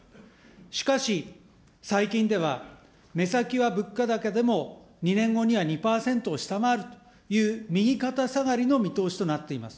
しかし、最近では、目先は物価高でも、２年後には２％を下回るという、右肩下がりの見通しとなっています。